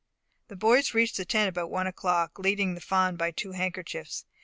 The boys reached the tent about one o'clock, leading the fawn by the two handkerchiefs.